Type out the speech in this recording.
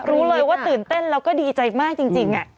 รู้เลยว่าตื่นเต้นแล้วก็ดีใจมากจริง